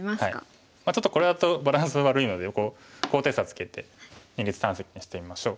ちょっとこれだとバランス悪いので高低差つけて二立三析にしてみましょう。